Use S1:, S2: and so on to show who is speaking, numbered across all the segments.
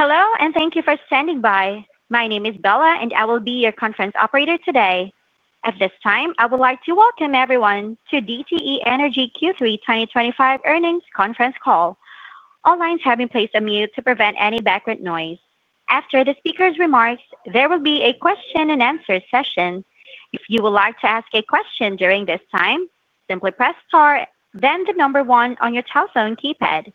S1: Hello and thank you for standing by. My name is Bella and I will be your conference operator today. At this time I would like to welcome everyone to DTE Energy Q3 2025 earnings conference call. All lines have been placed on mute to prevent any background noise. After the speaker's remarks, there will be a question-and-answer session. If you would like to ask a question during this time, simply press Star then the number one on your telephone keypad.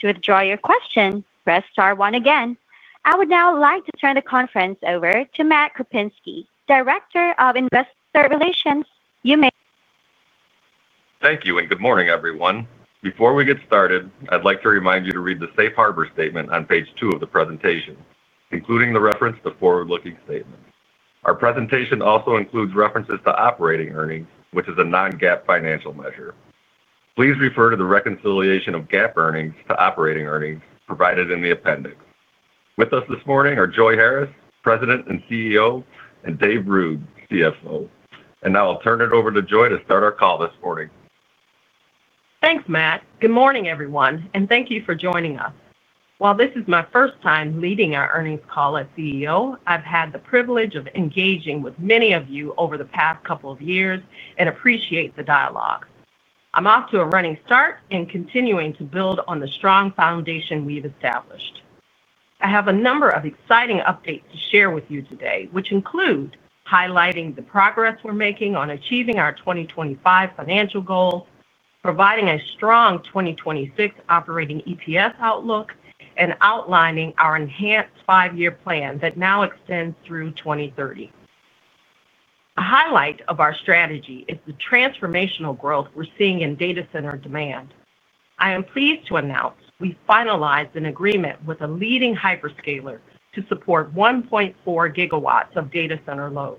S1: To withdraw your question, press Star one again. I would now like to turn the conference over to Matthew Krupinski, Director of Investor Relations.
S2: Thank you and good morning everyone. Before we get started, I'd like to remind you to read the Safe Harbor statement on page two of the presentation, including the reference to forward-looking statements. Our presentation also includes references to operating earnings, which is a Non-GAAP financial measure. Please refer to the reconciliation of GAAP earnings to operating earnings provided in the appendix. With us this morning are Joi M. Harris, President and CEO, and David S. Ruud, CFO. Now I'll turn it over to. Joi to start our call this morning.
S3: Thanks, Matt. Good morning, everyone, and thank you for joining us. While this is my first time leading our earnings call as CEO, I've had the privilege of engaging with many of you over the past couple of years and appreciate the dialogue. I'm off to a running start and continuing to build on the strong foundation we've established. I have a number of exciting updates to share with you today, which include highlighting the progress we're making on achieving our 2025 financial goals, providing a strong 2026 operating EPS outlook, and outlining our enhanced five-year plan that now extends through 2030. A highlight of our strategy is the transformational growth we're seeing in data center demand. I am pleased to announce we finalized an agreement with a leading hyperscaler to support 1.4 GW of data center load.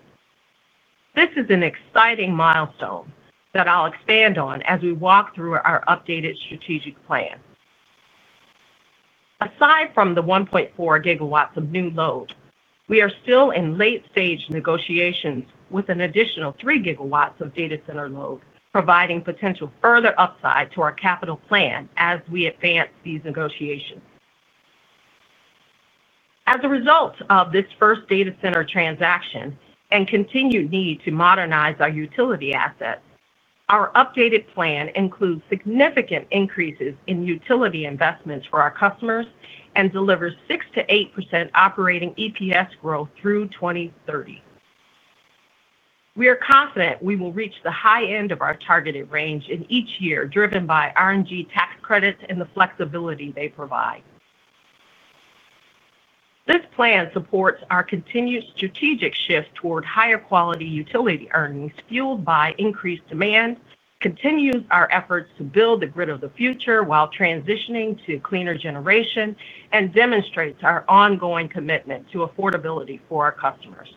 S3: This is an exciting milestone that I'll expand on as we walk through our updated strategic plan. Aside from the 1.4 GW of new load, we are still in late-stage negotiations with an additional 3 GW of data center load, providing potential further upside to our capital plan as we advance these negotiations. As a result of this first data center transaction and continued need to modernize our utility assets, our updated plan includes significant increases in utility investments for our customers and delivers 6%-8% operating EPS growth through 2030. We are confident we will reach the high end of our targeted range in each year, driven by RNG tax credits and the flexibility they provide. This plan supports our continued strategic shift toward higher quality utility earnings fueled by increased demand, continues our efforts to build the grid of the future while transitioning to cleaner generation, and demonstrates our ongoing commitment to affordability for our customers.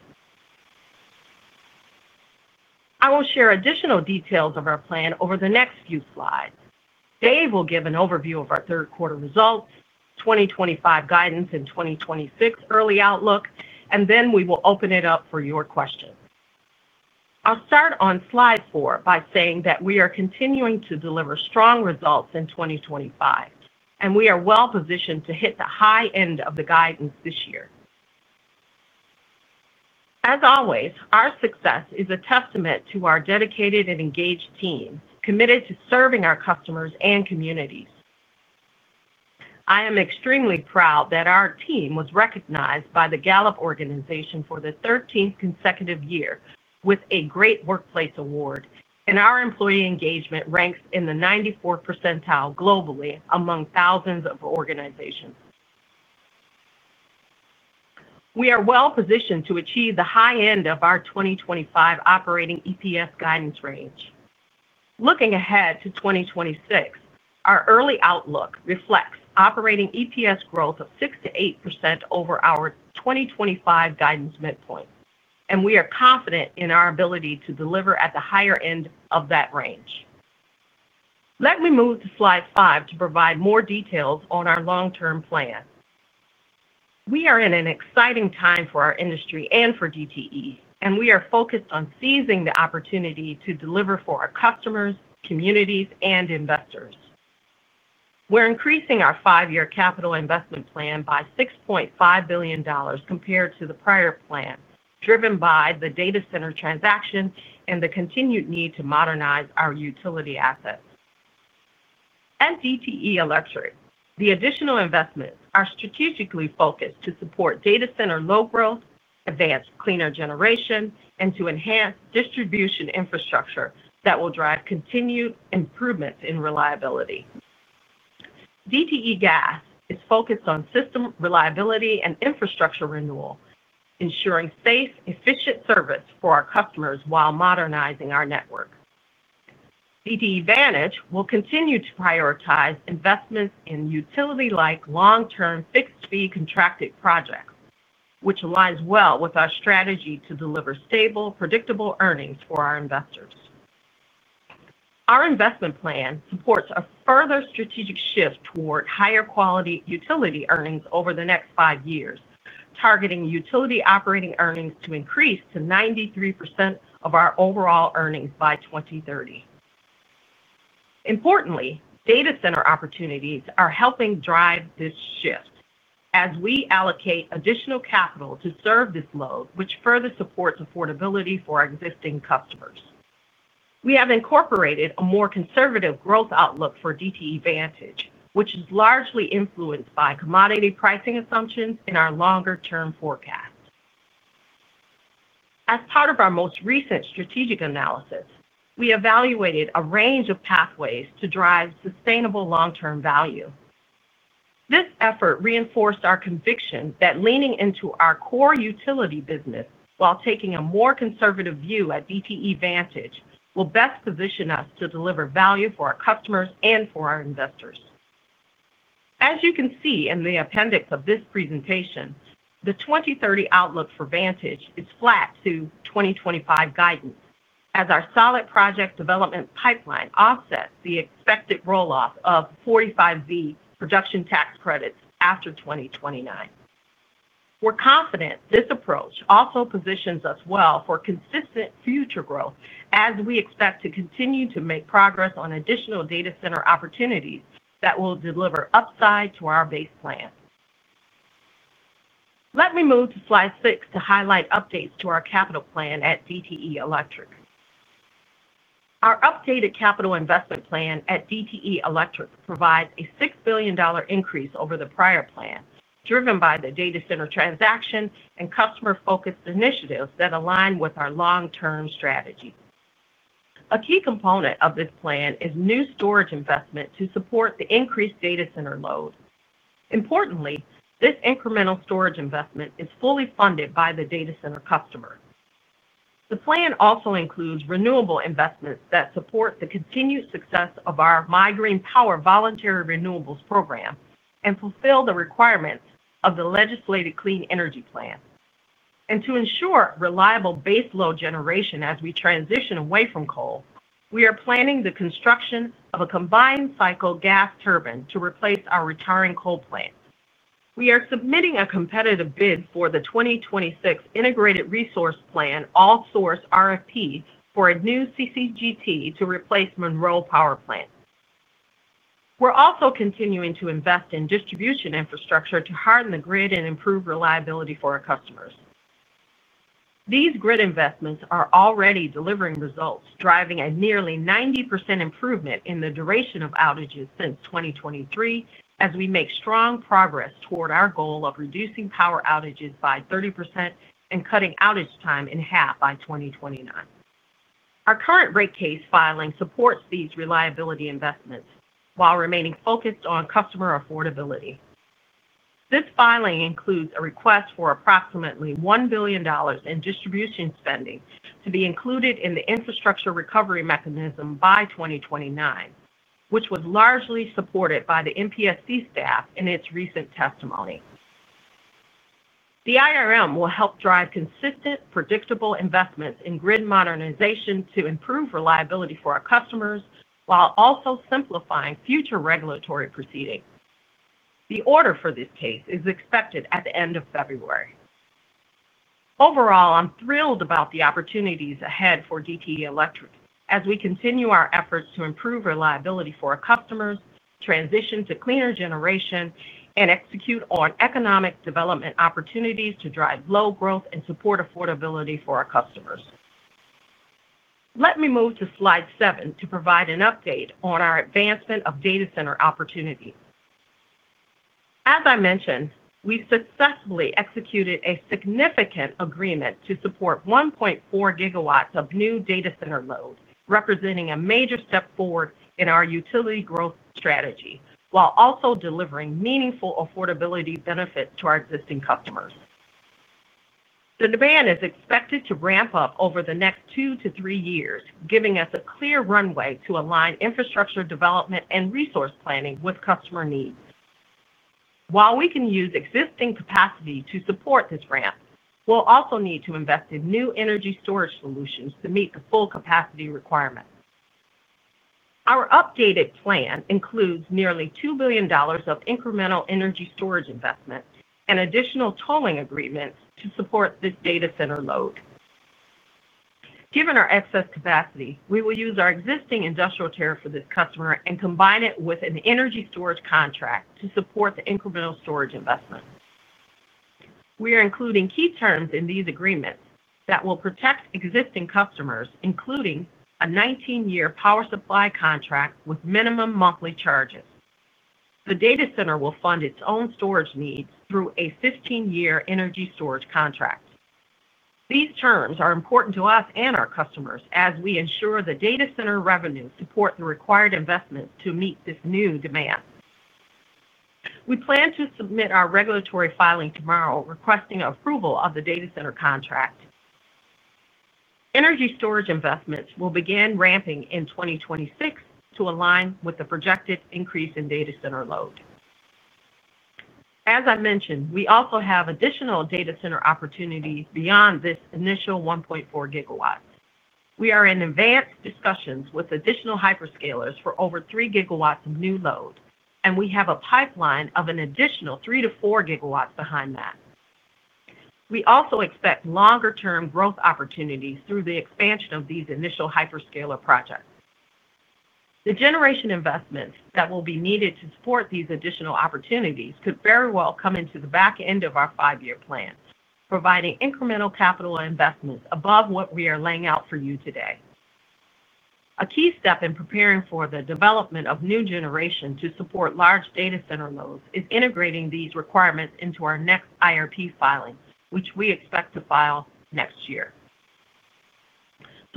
S3: I will share additional details of our plan over the next few slides. Dave will give an overview of our third quarter results, 2025 guidance, and 2026 early outlook, and then we will open it up for your questions. I'll start on slide 4 by saying that we are continuing to deliver strong results in 2025, and we are well positioned to hit the high end of the guidance this year. As always, our success is a testament to our dedicated and engaged team committed to serving our customers and communities. I am extremely proud that our team was recognized by the Gallup organization for the 13th consecutive year with a Great Workplace Award, and our employee engagement ranks in the 94th percentile globally among thousands of organizations. We are well positioned to achieve the high end of our 2025 operating EPS guidance range. Looking ahead to 2026, our early outlook reflects operating EPS growth of 6%-8% over our 2025 guidance midpoint, and we are confident in our ability to deliver at the higher end of that range. Let me move to slide 5 to provide more details on our long-term plan. We are in an exciting time for our industry and for DTE Energy, and we are focused on seizing the opportunity to deliver for our customers, communities, and investors. We're increasing our five-year capital investment plan by $6.5 billion compared to the prior plan, driven by the data center transaction and the continued need to modernize our utility assets at DTE Electric. The additional investments are strategically focused to support data center load growth, advance cleaner generation, and to enhance distribution infrastructure that will drive continued improvements in reliability. DTE Gas is focused on system reliability and infrastructure renewal, ensuring safe, efficient service for our customers while modernizing our network. DTE Vantage will continue to prioritize investments in utility-like long-term fixed fee contracted projects, which aligns well with our strategy to deliver stable, predictable earnings for our investors. Our investment plan supports a further strategic shift toward higher quality utility earnings over the next five years, targeting utility operating earnings to increase to 93% of our overall earnings by 2030. Importantly, data center opportunities are helping drive this shift as we allocate additional capital to serve this load, which further supports affordability for existing customers. We have incorporated a more conservative growth outlook for DTE Vantage, which is largely influenced by commodity pricing assumptions in our longer-term forecast. As part of our most recent strategic analysis, we evaluated a range of pathways to drive sustainable long-term value. This effort reinforced our conviction that leaning into our core utility business while taking a more conservative view at DTE Vantage will best position us to deliver value for our customers and for our investors. As you can see in the appendix of this presentation, the 2030 outlook for DTE Vantage is flat to 2025 guidance as our solid project development pipeline offsets the expected roll off of 45Z production tax credits after 2029. We're confident this approach also positions us well for consistent future growth as we expect to continue to make progress on additional data center opportunities that will deliver upside to our base plan. Let me move to slide 6 to highlight updates to our capital plan at DTE Electric. Our updated capital investment plan at DTE Electric provides a $6 billion increase over the prior plan, driven by the data center transaction and customer-focused initiatives that align with our long-term strategy. A key component of this plan is. New storage investment to support the increased data center load. Importantly, this incremental storage investment is fully funded by the data center customer. The plan also includes renewable investments that support the continued success of our MIGreen Power Voluntary Renewables Program and fulfill the requirements of the legislated Clean Energy Plan. To ensure reliable baseload generation as we transition away from coal, we are planning the construction of a combined cycle gas turbine to replace our retiring coal plant. We are submitting a competitive bid for the 2026 Integrated Resource Plan all source RFP for a new combined cycle gas turbine to replace Monroe Power Plant. We're also continuing to invest in distribution infrastructure to harden the grid and improve reliability for our customers. These grid investments are already delivering results, driving a nearly 90% improvement in the duration of outages since 2023 as we make strong progress toward our goal of reducing power outages by 30% and cutting outage time in half by 2029. Our current rate case filing supports these reliability investments while remaining focused on customer affordability. This filing includes a request for approximately $1 billion in distribution spending to be included in the infrastructure recovery mechanism by 2029, which was largely supported by the MPSC staff in its recent testimony. The infrastructure recovery mechanism will help drive consistent, predictable investments in grid modernization to improve reliability for our customers while also simplifying future regulatory proceedings. The order for this case is expected at the end of February. Overall, I'm thrilled about the opportunities ahead for DTE Electric as we continue our efforts to improve reliability for our customers, transition to cleaner generation, and execute on economic development opportunities to drive load growth and support affordability for our customers. Let me move to slide 7 to provide an update on our advancement of data center opportunities. As I mentioned, we successfully executed a significant agreement to support 1.4 GW of new data center load, representing a major step forward in our utility growth strategy while also delivering meaningful affordability benefit to our existing customers. The demand is expected to ramp up over the next two to three years, giving us a clear runway to align infrastructure development and resource planning with customer needs. While we can use existing capacity to support this ramp, we'll also need to invest in new energy storage solutions to meet the full capacity requirements. Our updated plan includes nearly $2 billion of incremental energy storage investment and additional tolling agreements to support this data center load. Given our excess capacity, we will use our existing industrial tariff for this customer and combine it with an energy storage contract to support the incremental storage investment. We are including key terms in these agreements that will protect existing customers, including a 19-year power supply contract with minimum monthly charges. The data center will fund its own storage needs through a 15-year energy storage contract. These terms are important to us and our customers as we ensure the data center revenue supports the required investment to meet this new demand. We plan to submit our regulatory filing tomorrow requesting approval of the data center contract. Energy storage investments will begin ramping in 2026 to align with the projected increase in data center load. As I mentioned, we also have additional data center opportunities beyond this initial 1.4 GW. We are in advanced discussions with additional hyperscalers for over 3 GW of new load and we have a pipeline of an additional 3 GW-4 GW behind that. We also expect longer-term growth opportunities through the expansion of these initial hyperscaler projects. The generation investments that will be needed to support these additional opportunities could very well come into the back end of our five-year plan, providing incremental capital investments above what we are laying out for you today. A key step in preparing for the development of new generation to support large data center loads is integrating these requirements into our next IRP filing, which we expect to file next year.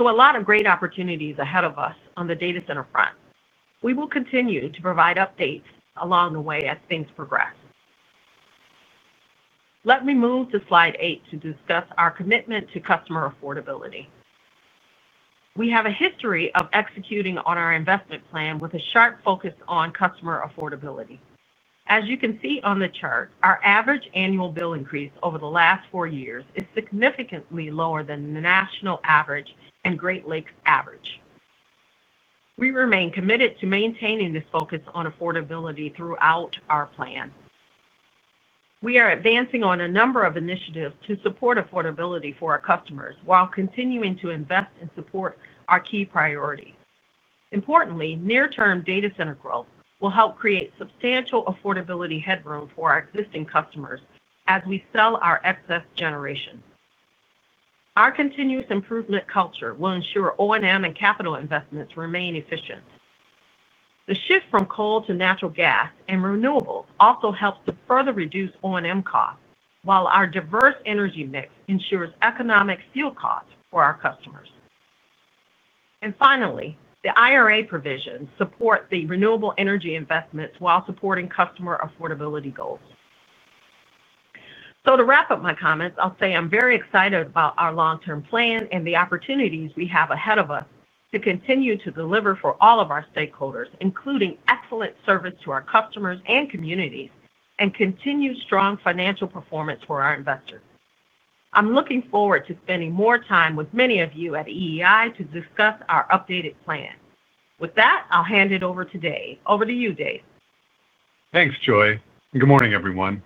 S3: A lot of great opportunities are ahead of us on the data center front. We will continue to provide updates along the way as things progress. Let me move to slide 8 to discuss our commitment to customer affordability. We have a history of executing on our investment plan with a sharp focus on customer affordability. As you can see on the chart, our average annual bill increase over the last four years is significantly lower than the national average and Great Lakes average. We remain committed to maintaining this focus on affordability throughout our plan. We are advancing on a number of initiatives to support affordability for our customers while continuing to invest and support our key priorities. Importantly, near term data center growth will help create substantial affordability headroom for our existing customers as we sell our excess generation. Our continuous improvement culture will ensure O&M and capital investments remain efficient. The shift from coal to natural gas and renewables also helps to further reduce O&M costs while our diverse energy mix ensures economic fuel cost for our customers. Finally, the IRA provisions support the renewable energy investments while supporting customer affordability goals. To wrap up my comments, I'll say I'm very excited about our long term plan and the opportunities we have ahead of us to continue to deliver for all of our stakeholders, including excellent service to our customers and communities and continued strong financial performance for our investors. I'm looking forward to spending more time with many of you at EEI to discuss our updated plan. With that, I'll hand it over to Dave. Over to you, Dave.
S4: Thanks Joi. Good morning everyone.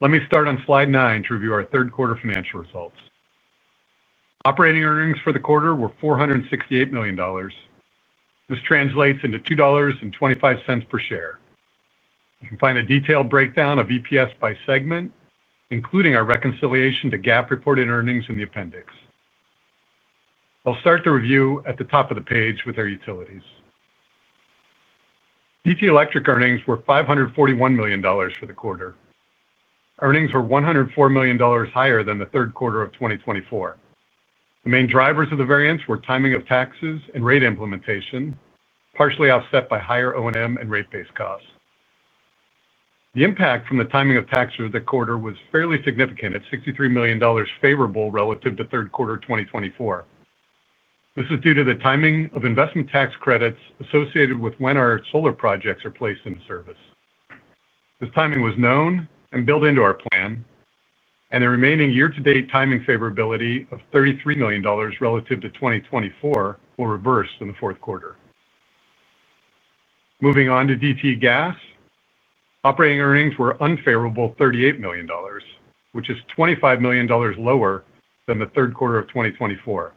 S4: Let me start on Slide 9 to review our third quarter financial results. Operating earnings for the quarter were $468 million. This translates into $2.25 per share. You can find a detailed breakdown of EPS by segment, including our reconciliation to GAAP reported earnings in the appendix. I'll start the review at the top of the page with our Utilities. DTE Electric earnings were $541 million for the quarter. Earnings were $104 million higher than the third quarter of 2024. The main drivers of the variance were timing of taxes and rate implementation, partially offset by higher O&M and rate base costs. The impact from the timing of tax for the quarter was fairly significant at $63 million favorable relative to third quarter 2024. This is due to the timing of investment tax credits associated with when our solar projects are placed into service. This timing was known and built into our plan, and the remaining year-to-date timing favorability of $33 million relative to 2024 will reverse in the fourth quarter. Moving on to DTE Gas, operating earnings were unfavorable $38 million, which is $25 million lower than the third quarter of 2024.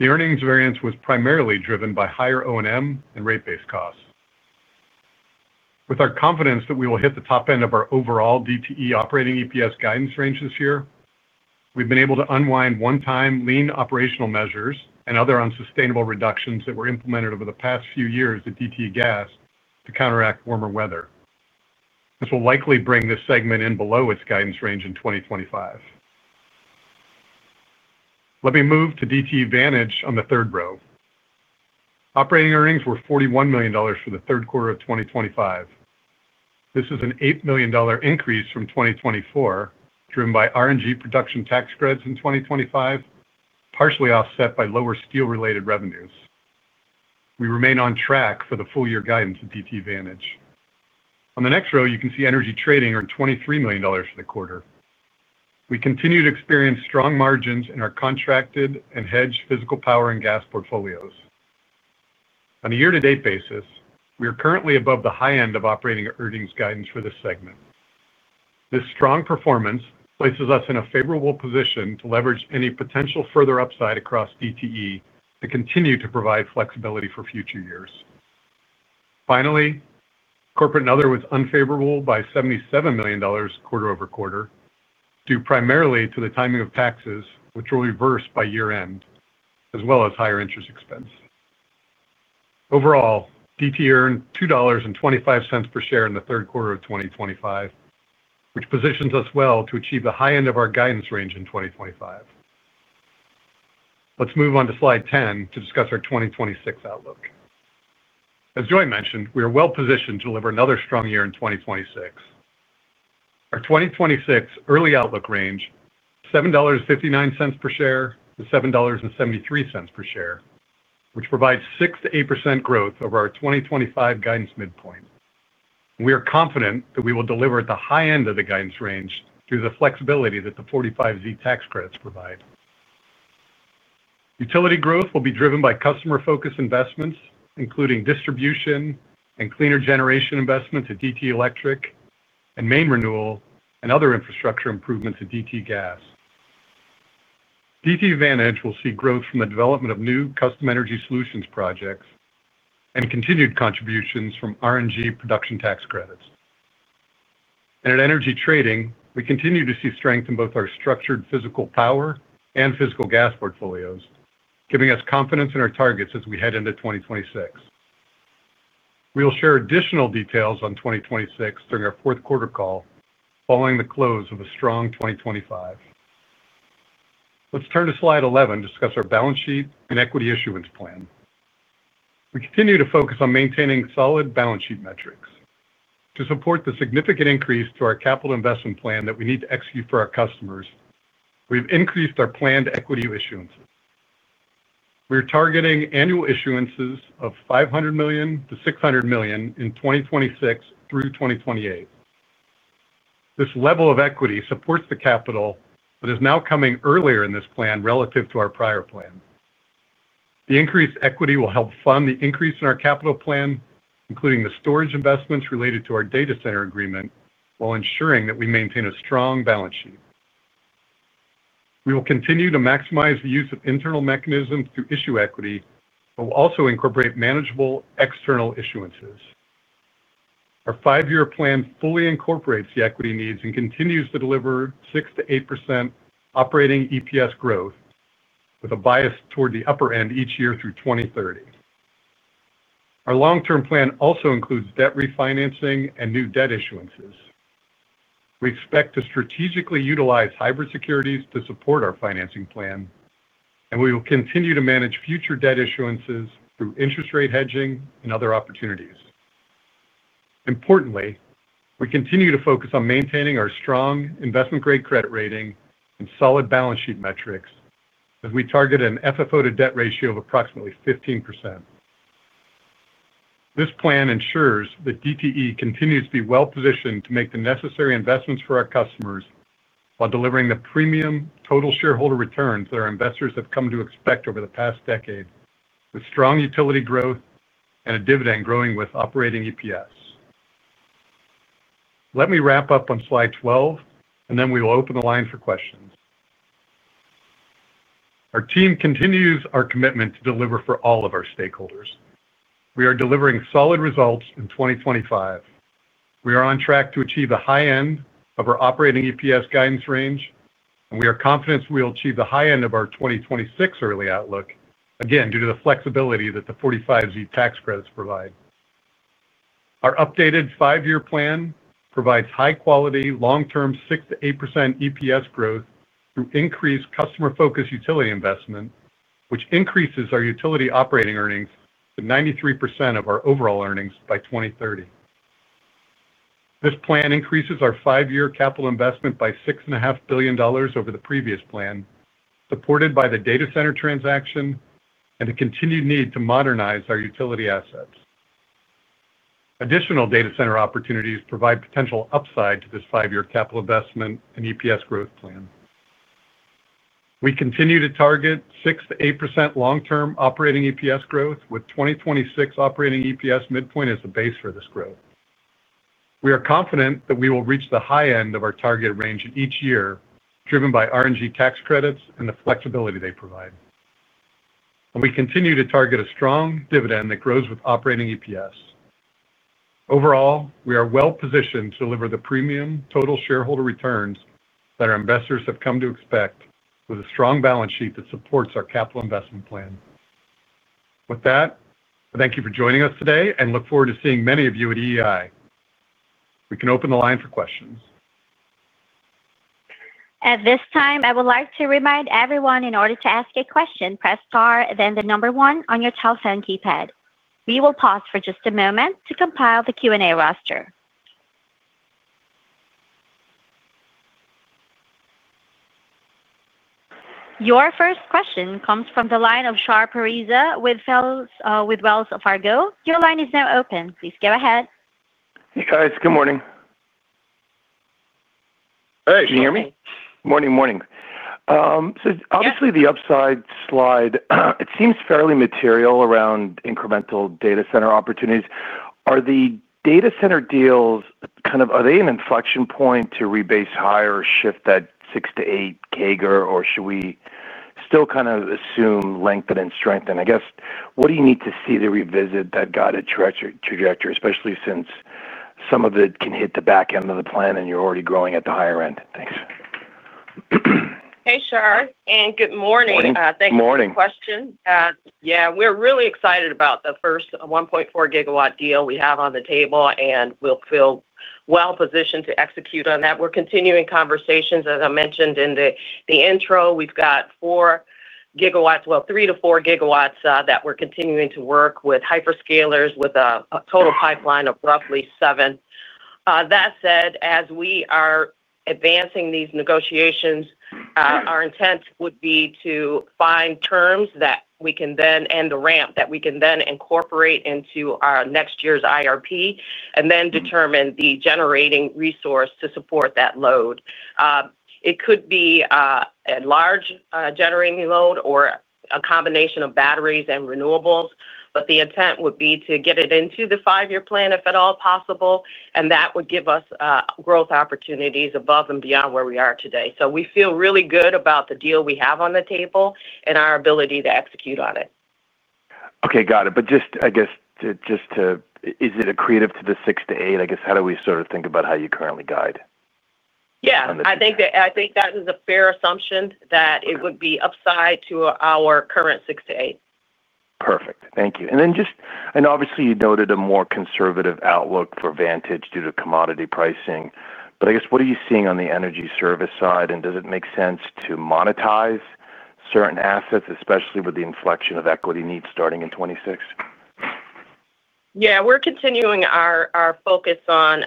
S4: The earnings variance was primarily driven by higher O&M and rate base costs. With our confidence that we will hit the top end of our overall DTE operating EPS guidance range this year, we've been able to unwind one-time lean operational measures and other unsustainable reductions that were implemented over the past few years at DTE Gas to counteract warmer weather. This will likely bring this segment in below its guidance range in 2025. Let me move to DTE Vantage on the third row. Operating earnings were $41 million for the third quarter of 2025. This is an $8 million increase from 2024, driven by RNG production tax credits in 2025, partially offset by lower steel-related revenues. We remain on track for the full year guidance at DTE Vantage. On the next row, you can see Energy Trading earned $23 million for the quarter. We continue to experience strong margins in our contracted and hedged physical power and gas portfolios. On a year-to-date basis, we are currently above the high end of operating earnings guidance for this segment. This strong performance places us in a favorable position to leverage any potential further upside across DTE to continue to provide flexibility for future years. Finally, Corporate and other was unfavorable by $77 million quarter-over-quarter due primarily to the timing of taxes, which will reverse by year end, as well as higher interest expense. Overall, DTE earned $2.25 per share in the third quarter of 2025, which positions us well to achieve the high end of our guidance range in 2025. Let's move on to slide 10 to discuss our 2026 outlook. As Joi mentioned, we are well positioned to deliver another strong year in 2026. Our 2026 early outlook range is $7.59 per share to $7.73 per share, which provides 6%-8% growth over our 2025 guidance midpoint. We are confident that we will deliver at the high end of the guidance range through the flexibility that the 45Z tax credits provide. Utility growth will be driven by customer-focused investments, including distribution and cleaner generation investments at DTE Electric and main renewal and other infrastructure improvements at DTE Gas. DTE Vantage will see growth from the development of new custom energy solutions projects and continued contributions from RNG production tax credits. At Energy Trading, we continue to see strength in both our structured physical power and physical gas portfolios, giving us confidence in our targets as we head into 2026. We will share additional details on 2026 during our fourth quarter call. Following the close of a strong 2025, let's turn to slide 11 to discuss our balance sheet and equity issuance plan. We continue to focus on maintaining solid balance sheet metrics to support the significant increase to our capital investment plan that we need to execute for our customers. We've increased our planned equity issuances. We are targeting annual issuances of $500 million-$600 million in 2026 through 2028. This level of equity supports the capital but is now coming earlier in this plan relative to our prior plan. The increased equity will help fund the increase in our capital plan, including the storage investments related to our data center agreement, while ensuring that we maintain a strong balance sheet. We will continue to maximize the use of internal mechanisms to issue equity but will also incorporate manageable external issuances. Our five-year plan fully incorporates the equity needs and continues to deliver 6%-8% operating EPS growth with a bias toward the upper end each year through 2030. Our long-term plan also includes debt refinancing and new debt issuances. We expect to strategically utilize hybrid securities to support our financing plan, and we will continue to manage future debt issuances through interest rate hedging and other opportunities. Importantly, we continue to focus on maintaining our strong investment-grade credit rating and solid balance sheet metrics as we target an FFO-to-debt ratio of approximately 15%. This plan ensures that DTE Energy continues to be well positioned to make the necessary investments for our customers while delivering the premium total shareholder returns that our investors have come to expect over the past decade with strong utility growth and a dividend growing with operating EPS. Let me wrap up on slide 12, and then we will open the line for questions. Our team continues our commitment to deliver for all of our stakeholders. We are delivering solid results in 2025. We are on track to achieve the high end of our operating EPS guidance range, and we are confident we will achieve the high end of our 2026 early outlook again due to the flexibility that the 45Z tax credits provide. Our updated five-year plan provides high-quality long-term 6%-8% EPS growth through increased customer-focused utility investment, which increases our utility operating earnings to 93% of our overall earnings by 2030. This plan increases our five-year capital investment by $6.5 billion over the previous plan, supported by the data center transaction and the continued need to modernize our utility assets. Additional data center opportunities provide potential upside to this five-year capital investment and EPS growth plan. We continue to target 6%-8% long-term operating EPS growth with 2026 operating EPS midpoint as the base for this growth. We are confident that we will reach the high end of our target range each year, driven by RNG tax credits and the flexibility they provide, and we continue to target a strong dividend that grows with operating EPS. Overall, we are well positioned to deliver the premium total shareholder returns that our investors have come to expect with a strong balance sheet that supports our capital investment plan. With that, thank you for joining us today and look forward to seeing many of you at EI. We can open the line for questions.
S1: At this time, I would like to remind everyone, in order to ask a question, press star, then the number one on your telephone keypad. We will pause for just a moment to compile the Q&A roster. Your first question comes from the line of Shar Pourreza with Wells Fargo. Your line is now open. Please go ahead.
S5: Good morning. Can you hear me? Morning. Obviously, the upside slide seems fairly material around incremental data center opportunities. Are the data center deals an inflection point to rebase higher, shift that 6%-8% CAGR, or should we still assume, lengthen and strengthen? What do you need to see to revisit that guided trajectory, especially since some of it can hit the back end of the plan and you're already growing at the higher end? Thanks.
S3: Hey Shar and good morning. Question. Yeah, we're really excited about the first 1.4 GW deal we have on the table, and we feel well positioned to execute on that. We're continuing conversations. As I mentioned in the intro, we've got 4 GW, 3 GW-4 GW that we're continuing to work with hyperscalers with a total pipeline of roughly. That said, as we are advancing these negotiations, our intent would be to find terms that we can then and the ramp that we can then incorporate into our next year's IRP and then determine the generating resource to support that load. It could be a large generating load or a combination of batteries and renewables. The intent would be to get it into the five year plan if at all possible. That would give us growth opportunities above and beyond where we are today. We feel really good about the deal we have on the table and our ability to execute on it.
S5: Okay, got it. Is it accretive to the 6%-8%? How do we sort of think about how you currently guide?
S3: I think that is a fair assumption that it would be upside to our current 6%-8%.
S5: Perfect, thank you. Obviously, you noted a more conservative outlook for DTE Vantage due to commodity pricing. I guess what are you seeing on the energy service side, and does it make sense to monetize certain assets, especially with the inflection of equity needs starting in 2026.
S3: Yeah, we're continuing our focus on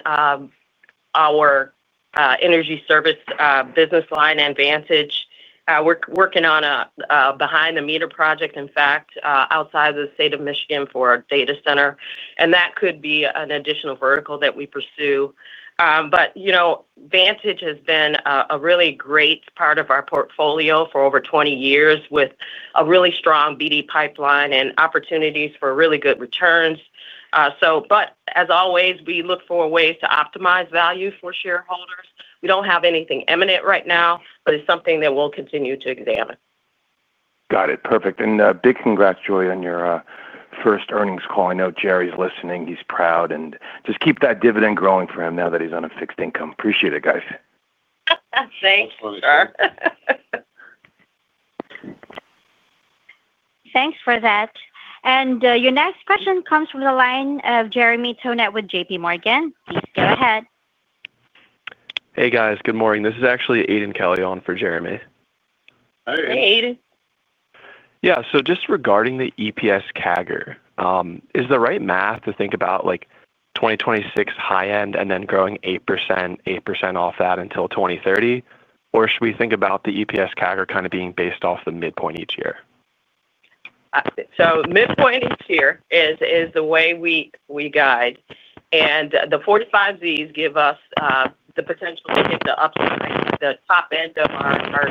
S3: our energy service business line and DTE Vantage. We're working on a behind the meter project, in fact, outside the state of Michigan for our data center, and that could be an additional vertical that we pursue. You know, DTE Vantage has been a really great part of our portfolio for over 20 years with a really strong BD pipeline and opportunities for really good returns. As always, we look for ways. To optimize value for shareholders. We don't have anything imminent right now, but it's something that we'll continue to examine.
S5: Got it. Perfect. Big congrats, Julie, on your first earnings call. I know Jerry's listening. He's proud. Just keep that dividend growing for him now that he's on a fixed income. Appreciate it, guys.
S3: Thanks.
S1: Thank you for that. Your next question comes from the line of Jeremy Tonette with JPMorgan. Please go ahead.
S6: Hey, guys, good morning. This is actually Aidan Charles Kelly on for Jeremy.
S3: Hey, Aiden.
S6: Yeah, just regarding the EPS CAGR, is the right math to think about like 2026 high end and then growing 8% off that until 2030? Or should we think about the EPS CAGR kind of being based off the midpoint each year?
S3: Midpoint each year is the way we guide, and the 45Zs give us the potential to hit the upside, the top end of our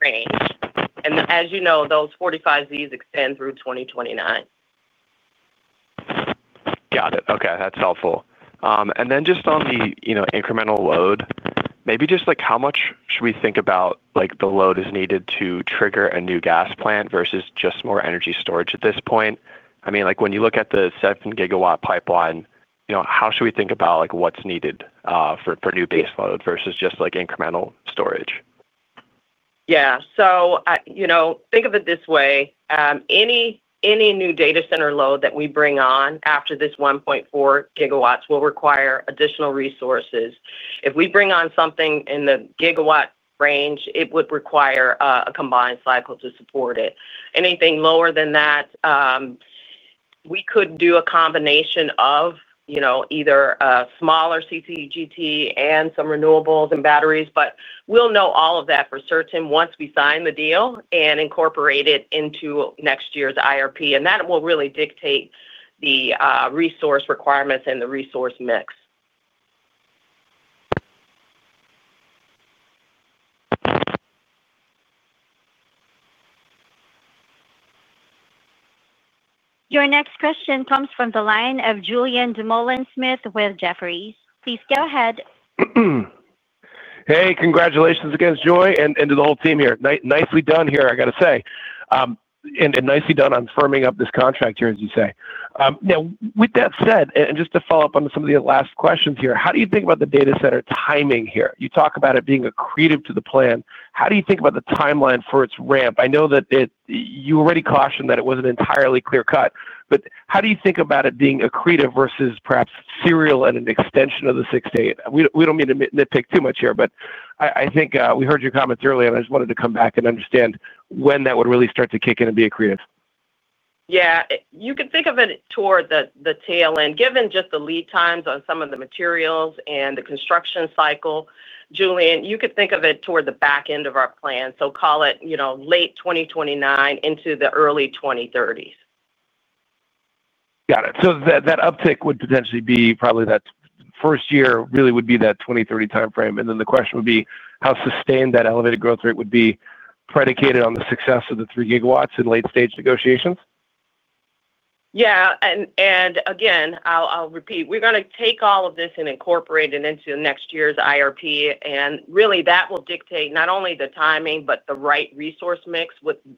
S3: range. As you know, those 45Zs extend through 2029.
S6: Okay, that's helpful. Just on the incremental load, maybe just like, how much should we think about the load is needed to trigger a new gas plant versus just more energy storage at this point? I mean, when you look at the 7 GW pipeline, how should we think about what's needed for new baseload versus just like incremental storage?
S3: Yeah. Think of it this way. Any new data center load that we bring on after this 1.4 GW will require additional resources. If we bring on something in the gigawatt range, it would require a combined cycle to support it. Anything lower than that, we could do a combination of either smaller combined cycle gas turbine and some renewables and batteries. We'll know all of that for certain once we sign the deal and incorporate it into next year's IRP. That will really, really dictate the resource requirements and the resource mix.
S1: Your next question comes from the line of Julien Patrick Dumoulin-Smith with Jefferies. Please go ahead.
S7: Hey, congratulations again to Joi and to the whole team here. Nicely done here, I gotta say, and nicely done on firming up this contract here, as you say. Now, with that said, and just to follow up on some of the last questions here, how do you think about the data center timing here? You talk about it being accretive to the plan. How do you think about the timeline for its ramp? I know that you already cautioned that it wasn't entirely clear cut, but how do you think about it being accretive versus perhaps serial and an extension of the six day? We don't mean to nitpick too much here, but I think we heard your comments earlier and I just wanted to come back and understand when that would really start to kick in and be accretive.
S3: Yeah, you can think of it toward the tail end, given just the lead times on some of the materials and the construction cycle. Julien, you could think of it toward the back end of our plan. Call it, you know, late 2029 into the early 2030s.
S7: Got it. That uptick would potentially be probably that first year, really would be that 2030 timeframe. The question would be how sustained that elevated growth rate would be predicated on the success of the 3 GW in late stage negotiations.
S3: Yeah. I'll repeat, we're going to take all of this and incorporate it into next year's IRP. That will dictate not only the timing, but the right resource mix,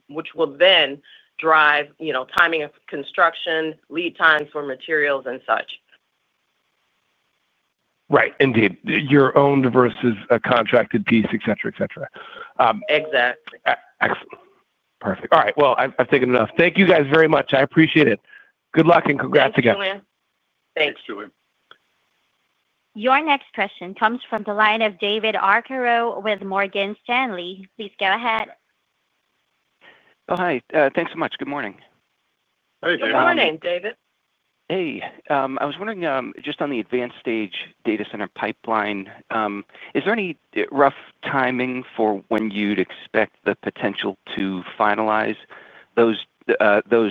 S3: which will then drive timing of construction, lead times for materials and such.
S7: Right. Indeed, your owned versus a contracted piece, et cetera, et cetera.
S3: Exactly.
S7: Excellent. Perfect. All right, I've taken enough. Thank you guys very much. I appreciate it. Good luck and congrats again.
S4: Thanks. Julia.
S1: Your next question comes from the line of David Keith Arcaro with Morgan Stanley. Please go ahead.
S8: Hi, thanks so much. Good morning.
S3: Good morning, David.
S8: Hey, I was wondering, just on the advanced stage data center pipeline, is there any rough timing for when you'd expect the potential to finalize those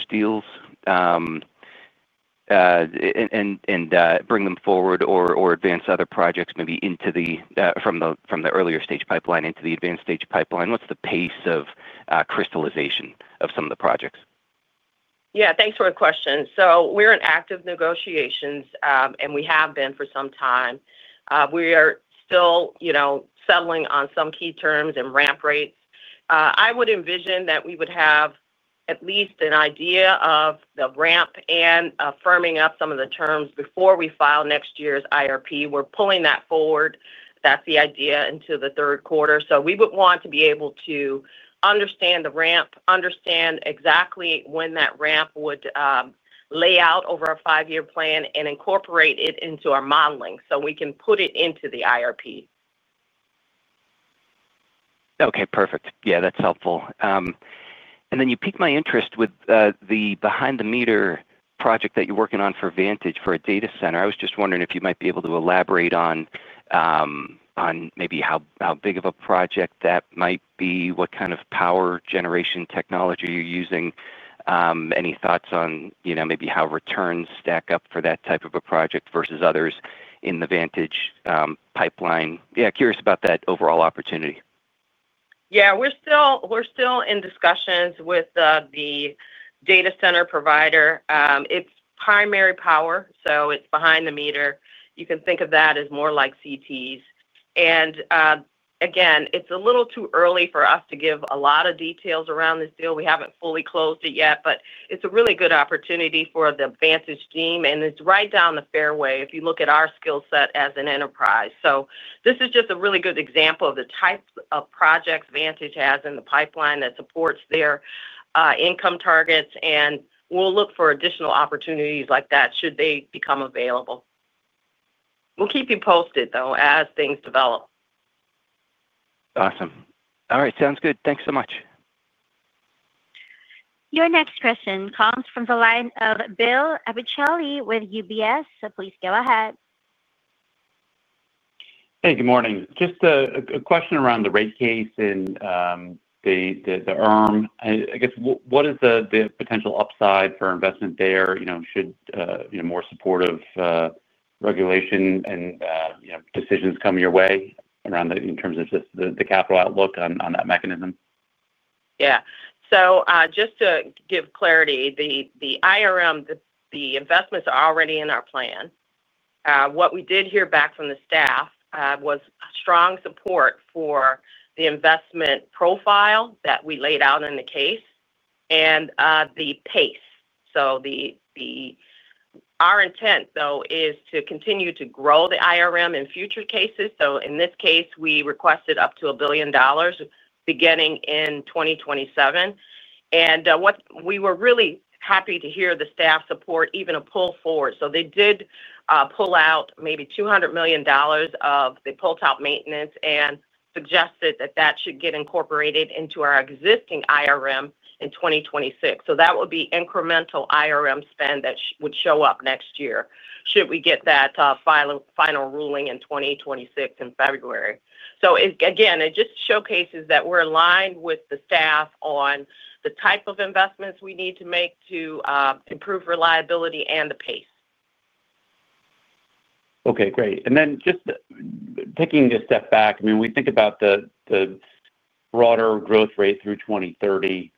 S8: deals and bring them forward or advance other projects maybe from the earlier stage pipeline into the advanced stage pipeline? What's the pace of crystallization of some of the projects?
S3: Yeah, thanks for the question. We're in active negotiations and we have been for some time. We are still settling on some key terms and ramp rates. I would envision that we would have at least an idea of the ramp and firming up some of the terms before we file next year's IRP. We're pulling that forward, that's the idea, into the third quarter. We would want to be able to understand the ramp, understand exactly when that ramp would lay out over a five-year plan, and incorporate it into our modeling so we can put it into the IRP.
S8: Okay, perfect. That's helpful. You pique my interest with the behind the meter project that you're working on for DTE Vantage for a data center. I was just wondering if you might be able to elaborate on maybe how big of a project that might be, what kind of power generation technology you're using. Any thoughts on maybe how returns stack up for that type of a project versus others in the DTE Vantage pipeline? Curious about that overall opportunity.
S3: We're still in discussions with the data center provider. It's primary power, so it's behind the meter. You can think of that as more like CTs. It's a little too early for us to give a lot of details around this deal. We haven't fully closed it yet, but it's a really good opportunity for the Vantage team and it's right down the fairway if you look at our skill set as an enterprise. This is just a really good example of the type of projects Vantage has in the pipeline that supports their income targets. We'll look for additional opportunities like that should they become available. We'll keep you posted as things develop.
S8: Awesome. All right, sounds good. Thanks so much.
S1: Your next question comes from the line of Bill Appicelli with UBS. Please go ahead.
S9: Hey, good morning. Just a question around the rate case and the IRM. I guess what is the potential upside for investment there? You know, should more supportive regulation and decisions come your way in terms of just the capital outlook on that mechanism?
S3: Yeah. Just to give clarity, the IRM, the investments are already in our plan. What we did hear back from the staff was strong support for the investment profile that we laid out in the case and the pace. Our intent though is to continue to grow the IRM in future cases. In this case we requested up to $1 billion beginning in 2027. What we were really happy to hear, the staff support even a pull forward. They did pull out maybe $200 million of the pull top maintenance and suggested that should get incorporated into our existing IRM in 2026. That would be incremental IRM spend that would show up next year should we get that final ruling in 2026 in February. Again, it just showcases that we're aligned with the staff on the type of investments we need to make to improve reliability and the pace.
S9: Okay, great. Just taking a step back, we think about the broader growth rate through 2030.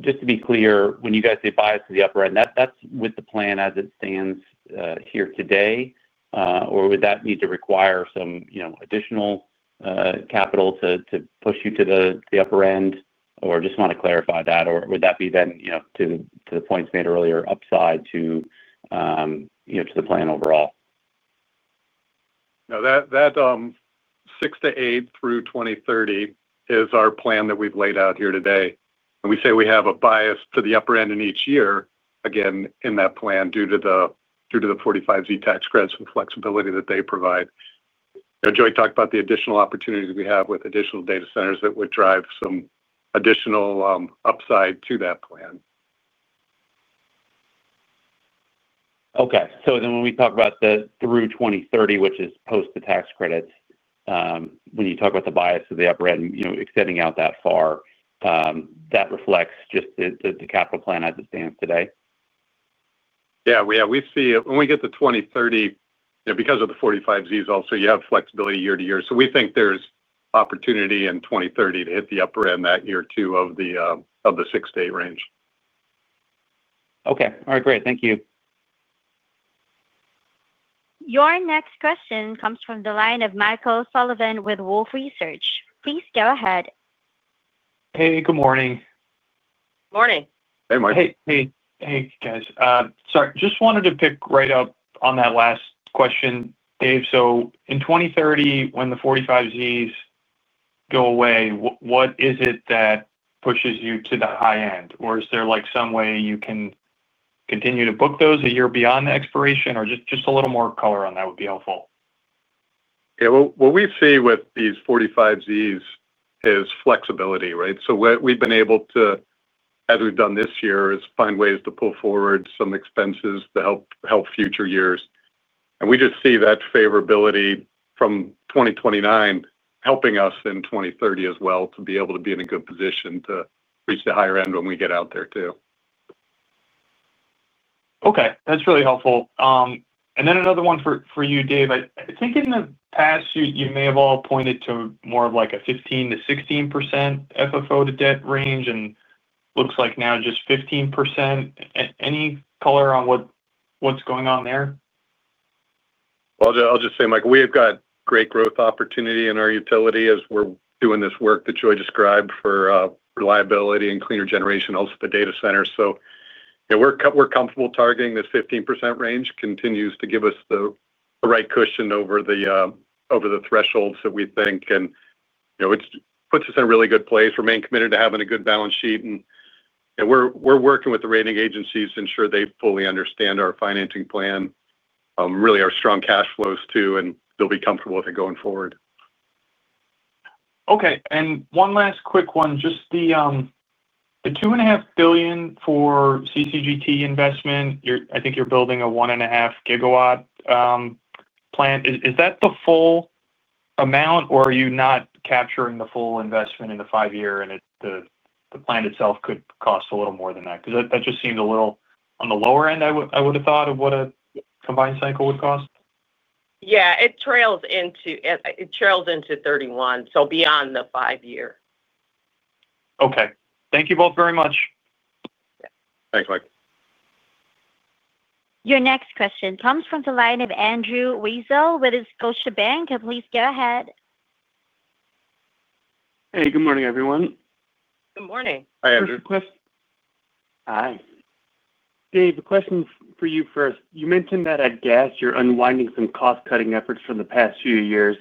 S9: Just to be clear, when you guys say bias to the upper end, that's with the plan as it stands here today. Would that need to require some additional capital to push you to the upper end? I just want to clarify that. Would that be then, to the points made earlier, upside to the plan overall?
S4: That 6-8 through 2030 is our plan that we've laid out here today. We say we have a bias to the upper end in each year in that plan due to the 45Z tax credits and flexibility that they provide. Joi talked about the additional opportunities we have with additional data centers that would drive some additional upside to that plan.
S9: Okay, so when we talk about the through 2030, which is post the tax credits, when you talk about the bias of the upper end, extending out that far, that reflects just the capital plan as it stands today.
S4: Yeah, we see it when we get to 2030, because of the 45Zs. Also, you have flexibility year to year. We think there's opportunity in 2030 to hit the upper end that year too of the six to eight range.
S9: Okay, all right. Great, thank you.
S1: Your next question comes from the line of Michael Sullivan with Wolfe Research. Please go ahead.
S10: Hey, good morning.
S3: Morning.
S4: Hey, Michael.
S10: Hey guys, sorry, just wanted to pick right up on that last question. Dave. In 2030, when the 45Zs. What is it that pushes you to the high end? Is there like some way you. Can continue to book those a year beyond the expiration or just. Just a little more color on that would be helpful.
S4: Yeah, what we see with these 45Zs is flexibility. Right. We've been able to, as we've done this year, find ways to pull forward some expenses to help future years. We just see that favorability from 2029 helping us in 2030 as well to be able to be in a good position to reach the higher end when we get out there too.
S10: Okay, that's really helpful. Another one for you, Dave. I think in the past you may have all pointed to more of like. A 15%-16% FFO-to-debt range, and looks like now just 15%. Any color on what? What's going on there?
S4: I'll just say, Mike, we have got great growth opportunity in our utility as we're doing this work that Joi described for reliability and cleaner generation, also the data center. We're comfortable targeting this 15% range, continues to give us the right cushion over the thresholds that we think, and it puts us in a really good place. Remain committed to having a good balance sheet, and we're working with the rating agencies to ensure they fully understand our financing plan, really our strong cash flows too, and they'll be comfortable with it going forward.
S10: Okay, and one last quick one. Just the $2.5 billion for CCGT investment. You're, I think you're building a 1.5 GW plant. Is that the full amount, or are you not capturing the full investment in the five year? The plan itself could cost a little more than that, because that just seemed a little on the lower end. I would have thought of what a combined cycle would cost.
S3: Yeah, it trails into 2031. It trails into 2031, so beyond the five year.
S10: Okay, thank you both very much.
S4: Thanks, Mike.
S1: Your next question comes from the line of Andrew Marc Weisel with Scotiabank. Please go ahead.
S11: Hey, good morning everyone.
S3: Good morning.
S4: Hi.
S11: Hi Dave, a question for you first. You mentioned that at Gas you're unwinding some cost cutting efforts from the past few years.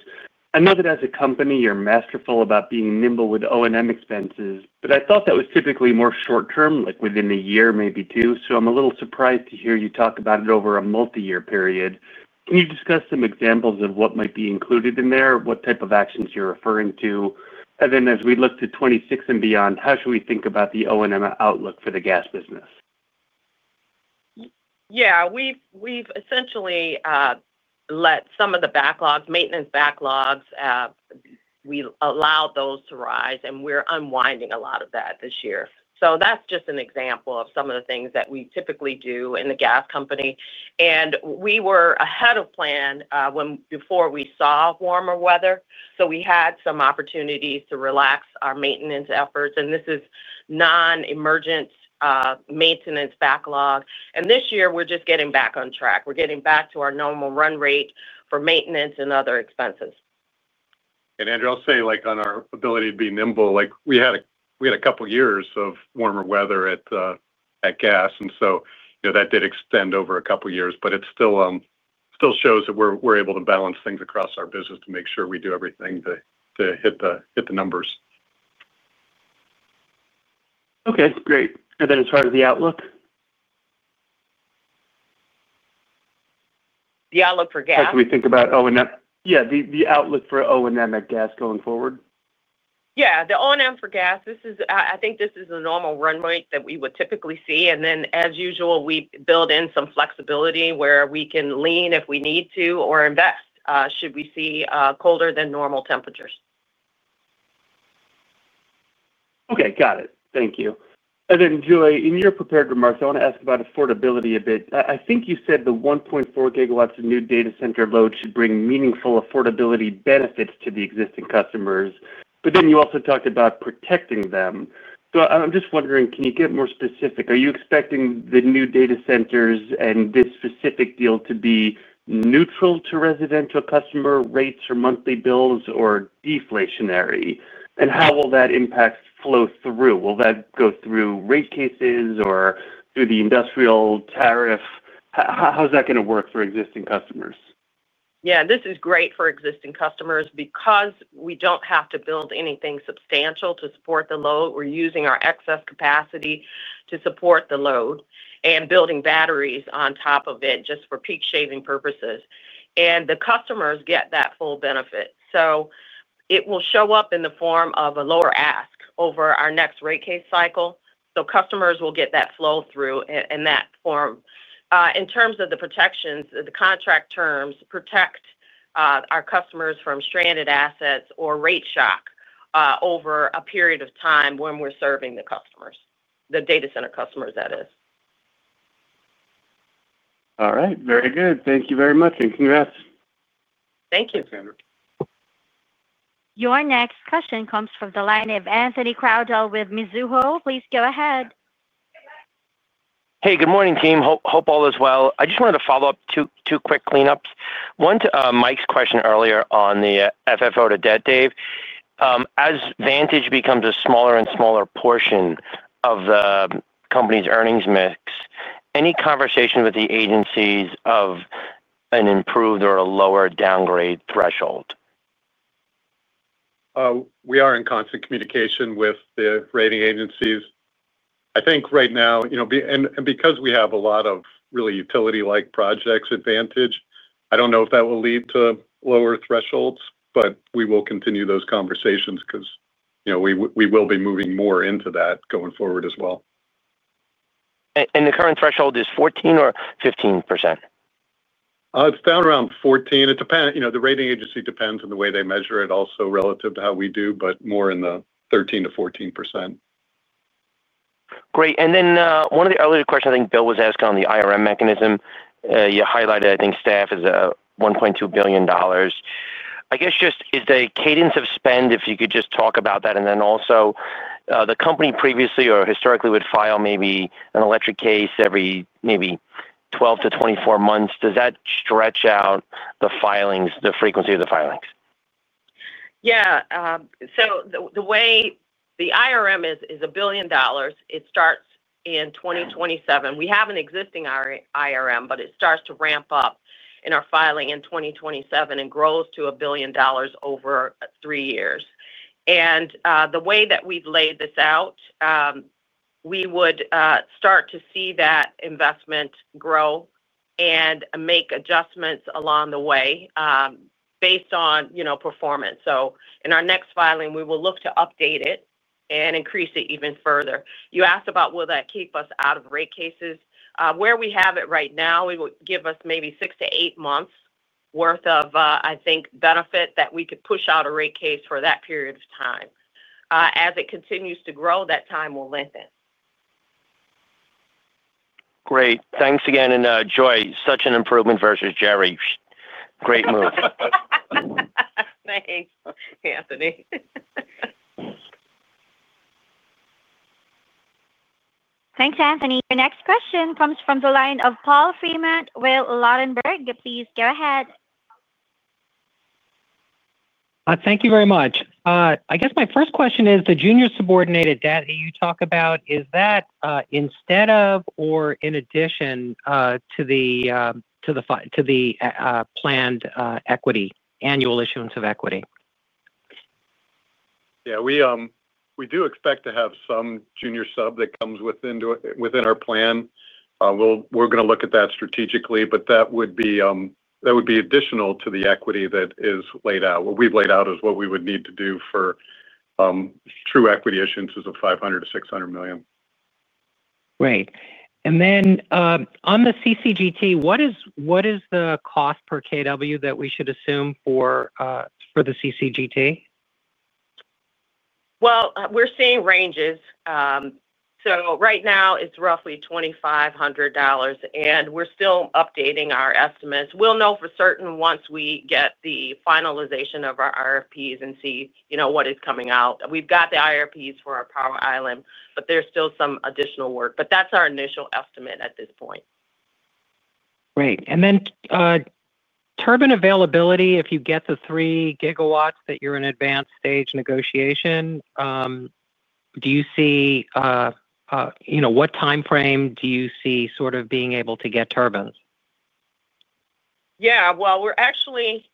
S11: I know that as a company you're masterful about being nimble with O&M expenses, but I thought that was typically more short term, like within a year, maybe two. I'm a little surprised to hear you talk about it over a multi-year period. Can you discuss some examples of what might be included in there, what type of actions you're referring to? As we look to 2026 and beyond, how should we think about the O&M outlook for the gas business?
S3: Yeah, we've essentially let some of the maintenance backlogs, we allowed those to rise, and we're unwinding a lot of that this year. That's just an example of some of the things that we typically do in the gas company. We were ahead of plan before we saw warmer weather, so we had some opportunities to relax our maintenance efforts. This is non-emergent maintenance backlog, and this year we're just getting back on track. We're getting back to our normal run rate for maintenance and other expenses.
S4: Andrew, I'll say like on our ability to be nimble, we had a couple years of warmer weather at gas and so that did extend over a couple years. It still shows that we're able to balance things across our business to make sure we do everything to hit the numbers.
S11: Okay, great. As part of the outlook.
S3: The outlook for gas as we think.
S4: About O&M.
S11: Yeah, the outlook for O&M at gas going forward.
S3: Yeah, the O&M for gas, this is, I think this is a normal run rate that we would typically see. As usual, we build in some flexibility where we can lean if we need to or invest should we see colder than normal temperatures.
S11: Okay, got it. Thank you. Joy, in your prepared remarks, I want to ask about affordability a bit. I think you said the 1.4 GW of new data center load should bring meaningful affordability benefits to the existing customers. You also talked about protecting them. I'm just wondering, can you get more specific? Are you expecting the new data centers and this specific deal to be neutral to residential customer rates or monthly bills or deflationary? How will that impact flow through? Will that go through rate cases or through the industrial tariff? How's that going to work for existing customers?
S3: Yeah, this is great for existing customers. Because we don't have to build anything substantial to support the load, we're using our excess capacity to support the load and building batteries on top of it just for peak shaving purposes. The customers get that full benefit. It will show up in the form of a lower ask over our next rate case cycle, so customers will get that flow through in that form. In terms of the protections, the contract terms protect our customers from stranded assets or rate shock over a period of time when we're serving the customers, the data center customers, that is.
S11: All right. Very good. Thank you very much and congrats.
S3: Thank you.
S1: Your next question comes from the line of Anthony Christopher Crowdell with Mizuho. Please go ahead.
S12: Hey, good morning team. Hope all is well. I just wanted to follow up, two quick cleanups. One to Mike's question earlier on the FFO-to-debt. Dave, as DTE Vantage becomes a smaller and smaller portion of the company's earnings mix, any conversation with the agencies of an improved or a lower downgrade threshold.
S4: We are in constant communication with the rating agencies. I think right now, you know, and because we have a lot of really utility-like projects at DTE Vantage, I don't know if that will lead to lower thresholds, but we will continue those conversations because, you know, we will be moving more into that going forward as well.
S12: The current threshold is 14% or 15%.
S4: It's down around 14%. It depends, you know, the rating agency depends on the way they measure it also relative to how we do, but more in the 13%-14%.
S12: Great. One of the earlier questions, I think Bill was asked on the IRM mechanism you highlighted, I think staff is $1.2 billion. I guess just is the cadence of spend. If you could just talk about that. Also, company previously or historically would file maybe an electric case every maybe 12-24 months. Does that stretch out the filings, the frequency of the filings?
S3: Yeah. The way the IRM is a billion dollars, it starts in 2027. We have an existing IRM, but it starts to ramp up in our filing in 2027 and grows to a billion dollars over three years. The way that we've laid this out, we would start to see that investment grow and make adjustments along the way based on, you know, performance. In our next filing we will look to update it and increase it even further. You asked about will that keep us out of rate cases? Where we have it right now, it would give us maybe six to eight months' worth of, I think, benefit that we could push out a rate case for that period of time. As it continues to grow, that time will lengthen.
S12: Great. Thanks again. Joi, such an improvement versus Jerry. Great move.
S3: Thanks Anthony.
S1: Thanks, Anthony. Your next question comes from the line of Paul Fremont. Will Ladenburg, please go ahead.
S13: Thank you very much. I guess my first question is the junior subordinated debt that you talk about. Is that instead of? In addition to the. To the planned equity. Annual issuance of equity.
S4: Yeah, we do expect to have some junior sub that comes within our plan. We're going to look at that strategically, but that would be additional to the equity that is laid out. What we've laid out is what we would need to do for true equity issuances of $500 million-$600 million.
S13: Right. What is the cost per kilowatt that we should assume for the combined cycle gas turbine?
S3: We're seeing ranges. Right now it's roughly $2,500. We're still updating our estimates. We'll know for certain once we have the finalization of our IRPs and see what is coming out. We've got the IRPs for our power island, but there's still some additional work. That's our initial estimate at this point.
S13: Great. Turbine availability. If you get the 3 GW that. You're in advanced stage negotiation. Do you see, you know, what time? Frame do you see sort of being. Able to get turbines?
S3: Yeah, we're actually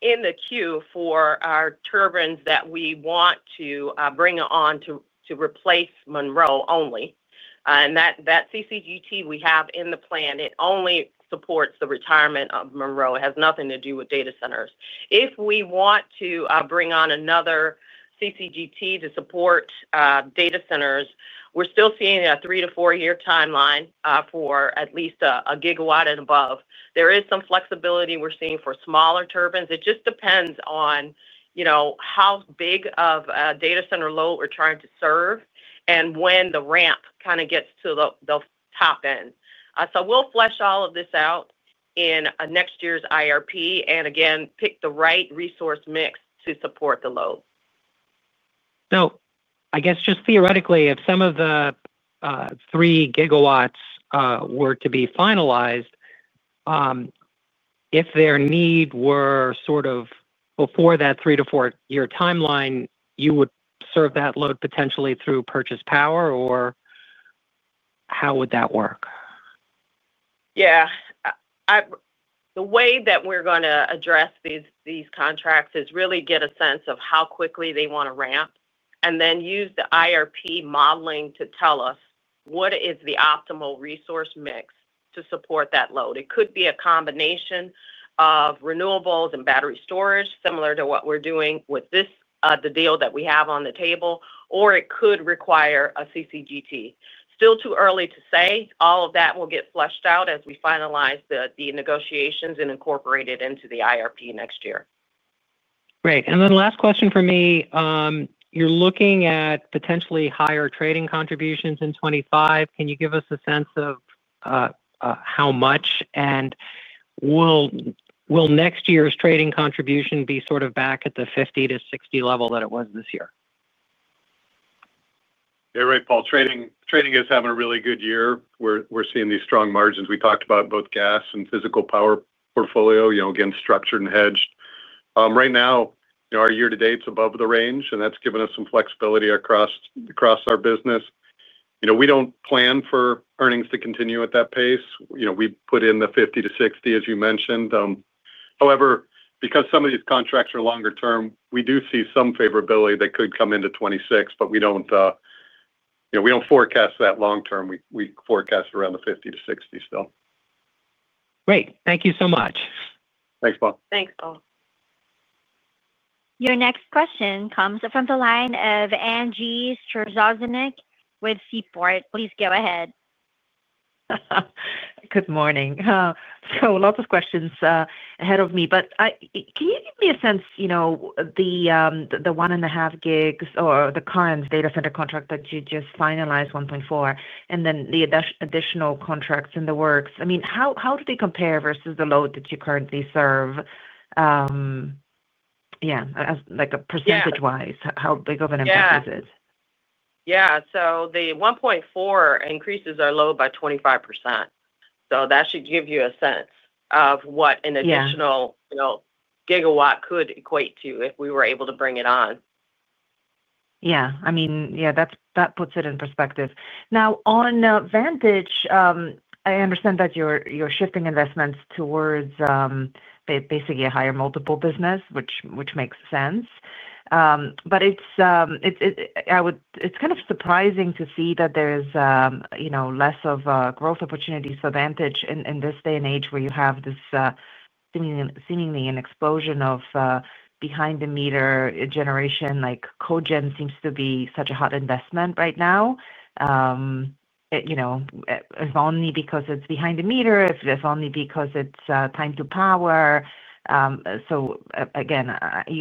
S3: in the queue for our turbines that we want to bring on to replace Monroe only. That combined cycle gas turbine we have in the plan only supports the retirement of Monroe. It has nothing to do with data centers. If we want to bring on another combined cycle gas turbine to support data centers, we're still seeing a three to four year timeline for at least 1 GW. Above is some flexibility we're seeing for smaller turbines. It just depends on how big of a data center load we're trying to serve and when the ramp kind of gets to the top end. We will flesh all of this out. In next year's IRP, and again, pick the right resource mix to support the load.
S13: I guess just theoretically, if some. Of the 3 GW were to be. Finalized, if their need were before that three to four year timeline, you would serve that load potentially through. Purchase power, or how would that work?
S3: Yeah. The way that we're going to address these contracts is really get a sense of how quickly they want to ramp, and then use the IRP modeling to tell us what is the optimal resource mix to support that load. It could be a combination of renewables and battery storage, similar to what we're doing with this, the deal that we have on the table. require a combined cycle gas turbine. Still too early to say. All of that will get fleshed out as we finalize the negotiations and incorporate it into the IRP next year.
S13: Great. The last question for me, you're looking at potentially higher trading contributions in 2025. Can you give us a sense of? How much it will. Will next year's trading contribution be short. Of back at the 50-60 level that it was this year?
S4: Yeah. Right. Paul, trading is having a really good year. We're seeing these strong margins. We talked about both gas and physical power portfolio, again structured and hedged. Right now our year to date is above the range, and that's given us some flexibility across our business. You know, we don't plan for earnings to continue at that pace. You know, we put in the $50-$60 as you mentioned. However, because some of these contracts are longer term, we do see some favorability that could come into 2026, but we don't forecast that long term. We forecast around the $50-$60 still.
S13: Great. Thank you so much.
S4: Thanks, Paul.
S3: Thanks, Paul.
S1: Your next question comes from the line of Angie Storozynski with Seaport. Please go ahead.
S14: Good morning. Lots of questions ahead of me, but can you give me a sense, the one and a half gigs or the current data center contract that you just finalized, 1.4, and then the additional contracts in the works? I mean, how do they compare versus the load that you currently serve? Yeah, like percentage wise, how big of an impact is it?
S3: Yeah, so the 1.4 increases our load by 25%. That should give you a sense of what an additional gigawatt could equate to if we were able to bring it on.
S14: Yeah, that puts it in perspective. Now, on Vantage, I understand that you're shifting investments towards basically a higher multiple business, which makes sense. But. It's kind of surprising to see. That there is less of growth opportunities. For DTE Vantage, in this day and age where you have this seemingly an explosion of behind-the-meter generation like Cogen, it seems to be such a hot investment right now, you know, if only because it's behind the meter, if only because it's time to power. You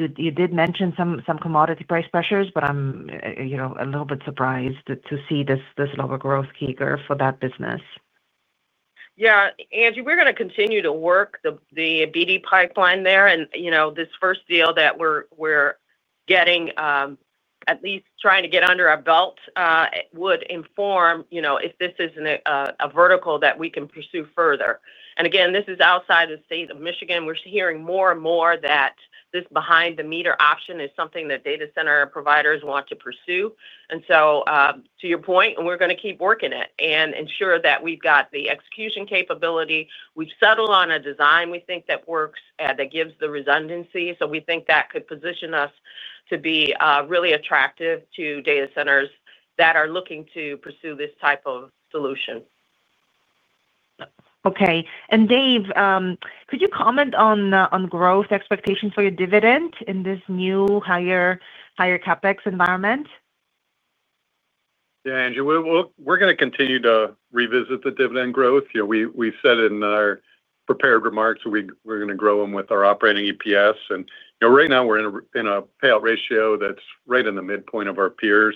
S14: did mention some commodity price pressures, but I'm, you know, a little bit surprised to see this lower growth key curve for that business.
S3: Yeah, Angie, we're going to continue to work the BD pipeline there. You know, this first deal that we're getting, at least trying to get under our belt, would inform if this is a vertical that we can pursue further. This is outside the state of Michigan. We're hearing more and more that this behind the meter option is something that data center providers want to pursue. To your point, we're going to keep working it and ensure that we've got the execution capability. We've settled on a design we think that works, that gives the redundancy. We think that could position us to be really attractive to data centers that are looking to pursue this type of solution.
S14: Okay. Dave, could you comment on growth expectations for your dividend in this new higher CapEx environment?
S4: Yeah, Andrew, we're going to continue to revisit the dividend growth. We said in our prepared remarks we're going to grow them with our operating EPS. Right now we're in a payout ratio that's right in the midpoint of our peers,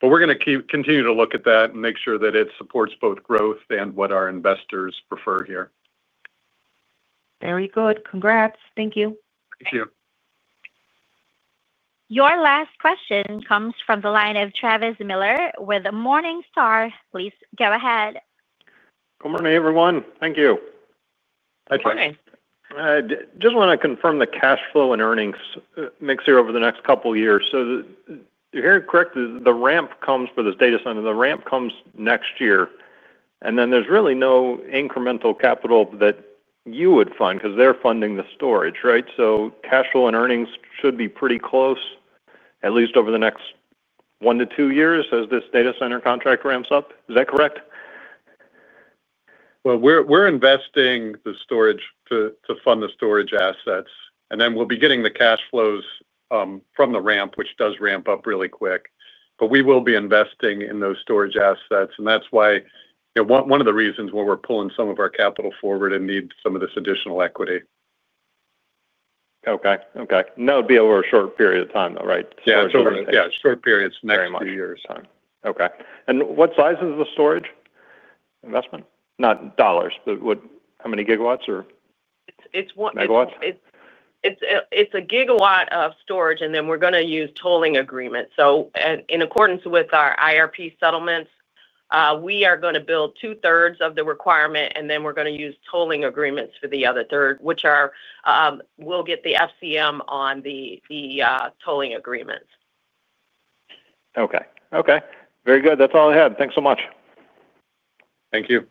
S4: but we're going to continue to look at that and make sure that it supports both growth and what our investors prefer here.
S14: Very good. Congrats. Thank you.
S4: Thank you.
S1: Your last question comes from the line of Travis Miller with Morningstar. Please go ahead.
S15: Good morning, everyone. Thank you.
S3: Morningi.
S15: Just want to confirm the cash flow and earnings mix here over the next couple years. You hear correct, the ramp comes for this data center, the ramp comes next year. There is really no incremental capital that you would find because they're funding the storage. Right. Cash flow and earnings should be. Pretty close, at least over the next one to two years as this data. Center contract ramps up. Is that correct?
S4: We're investing the storage to fund the storage assets, and then we'll be getting the cash flows from the ramp, which does ramp up really quick. We will be investing in those storage assets, and that's one of the reasons why we're pulling some of our capital forward and need some of this additional equity.
S15: Okay. Okay. Now it'd be over a short period. Of time, though, right?
S4: Yeah, yeah, short periods. Next year's time.
S15: Okay. What size is the storage investment? Not dollars, but how many gigawatts or it's megawatts.
S3: It's a gigawatt of storage. We are going to use tolling agreements. In accordance with our IRP settlements, we are going to build two thirds of the requirement and use tolling agreements for the other third, which are. We'll get the FCM on the tolling agreements.
S15: Okay. Okay. Very good. That's all I had. Thanks so much.
S4: Thank you.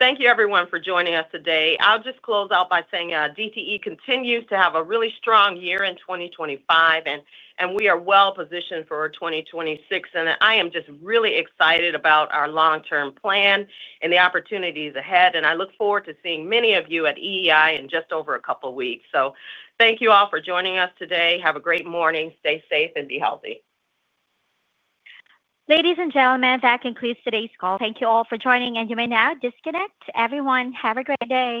S3: Thank you everyone for joining us today. I'll just close out by saying DTE Energy continues to have a really strong year in 2025 and we are well positioned for 2026. I am just really excited about our long term plan and the opportunities ahead. I look forward to seeing many of you at EEI in just over a couple weeks. Thank you all for joining us today. Have a great morning, stay safe and be healthy.
S1: Ladies and gentlemen, that concludes today's call. Thank you all for joining and you may now disconnect. Everyone, have a great day.